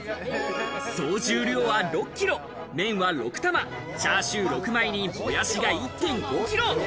総重量は６キロ、麺は６玉、チャーシュー６枚にモヤシが１．５キロ。